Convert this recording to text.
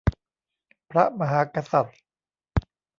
พระมหากษัตริย์